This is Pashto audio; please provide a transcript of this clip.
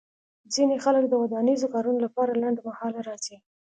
ځینې خلک د ودانیزو کارونو لپاره لنډمهاله راځي